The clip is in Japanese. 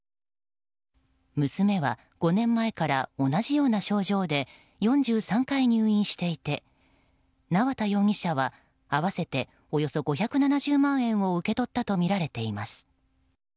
娘は５年前から同じような症状で４３回入院していて縄田容疑者は合わせておよそ５７０万円を受け取ったとみられています。